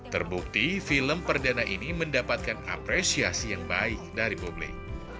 terbukti film perdana ini mendapatkan apresiasi yang baik dari publik